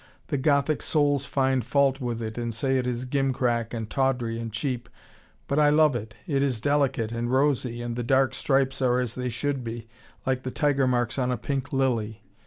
The Gothic souls find fault with it, and say it is gimcrack and tawdry and cheap. But I love it, it is delicate and rosy, and the dark stripes are as they should be, like the tiger marks on a pink lily.